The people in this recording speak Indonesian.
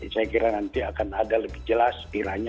saya kira nanti akan ada lebih jelas piranya